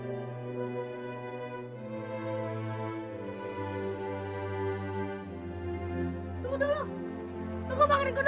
tunggu dulu tunggu pangeran kodok